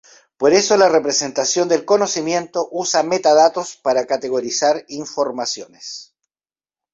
Por eso la representación del conocimiento usa metadatos para categorizar informaciones.